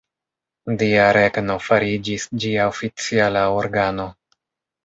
Dia Regno fariĝis ĝia oficiala organo.